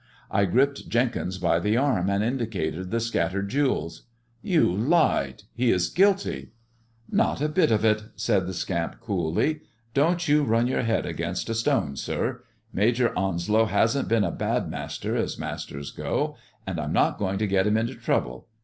I gripped Jenkins by the arm and indicated the scattered jewels. " You lied ! He is guilty !"" Not a bit of it,*' said the scamp coolly ;" don't you run your head against a stone, sir. Major Onslow hasn't been a bad master as masters go, and Pm not going to get him into trouble.